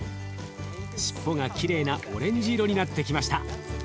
尻尾がきれいなオレンジ色になってきました。